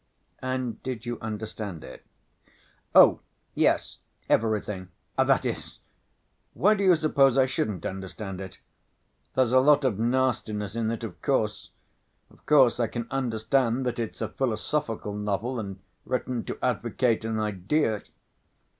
"And did you understand it?" "Oh, yes, everything.... That is ... Why do you suppose I shouldn't understand it? There's a lot of nastiness in it, of course.... Of course I can understand that it's a philosophical novel and written to advocate an idea...."